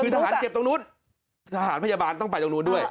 คือทหารเก็บตรงนู้นทหารพยาบาลต้องไปตรงนู้นด้วย